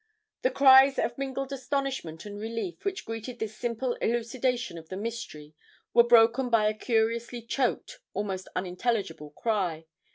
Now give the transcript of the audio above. IV The cries of mingled astonishment and relief which greeted this simple elucidation of the mystery were broken by a curiously choked, almost unintelligible, cry.